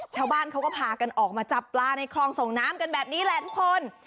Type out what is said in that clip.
ชาวบ้านเขาก็พากันออกมาจับปลาในคลองส่งน้ำกันแบบนี้แหละทุกคน